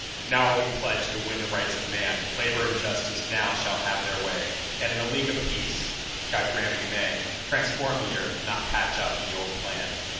Now are we pledged to win the Rights of man; Labour and Justice now shall have their way, And in a League of Peace—God grant we may—Transform the earth, not patch up the old plan.